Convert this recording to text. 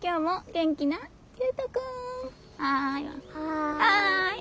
はい。